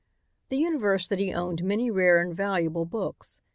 The university owned many rare and valuable books.